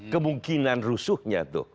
kemungkinan rusuhnya tuh